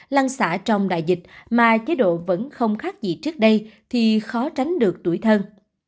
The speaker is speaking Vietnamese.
lăng xả trong đại dịch mà chế độ vẫn không khác gì trước đây thì khó tránh được tuổi thân